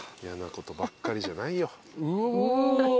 やなことばっかりじゃないよ。